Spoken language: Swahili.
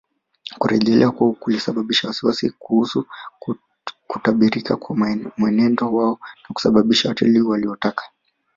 Kurejea kwao kulisababisha wasiwasi kuhusu kutabirika kwa mwenendo wao na kusababisha watalii waliotaka